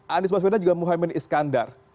anies baswedan juga mohaimin iskandar